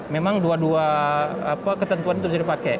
memang dua dua ketentuan itu bisa dipakai